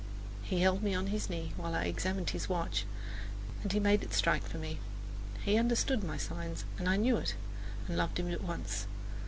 He held me on his knee while I examined his watch, and he made it strike for me. He understood my signs, and I knew it and loved him at once.